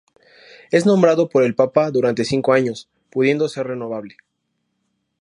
Es nombrado por el Papa durante cinco años, pudiendo ser renovable.